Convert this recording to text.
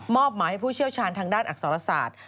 หมายให้ผู้เชี่ยวชาญทางด้านอักษรศาสตร์